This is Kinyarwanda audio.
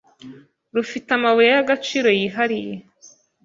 rufite amabuye y'agaciro yihariye